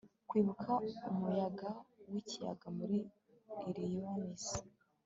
kwibuka umuyaga w'ikiyaga muri illinois